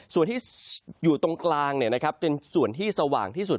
ส่วนที่อยู่ตรงกลางเป็นส่วนที่สว่างที่สุด